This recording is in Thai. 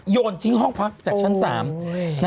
โยนทิ้งห้องพักจากชั้น๓